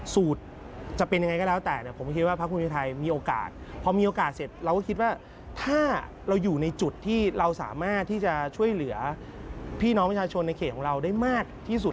สูตรจะเป็นยังไงก็แล้วแต่เนี่ยผมคิดว่าพักภูมิใจไทยมีโอกาสพอมีโอกาสเสร็จเราก็คิดว่าถ้าเราอยู่ในจุดที่เราสามารถที่จะช่วยเหลือพี่น้องประชาชนในเขตของเราได้มากที่สุด